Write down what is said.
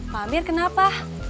pak amir kenapa